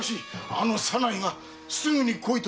あの左内が「すぐに来い」とのお手紙を。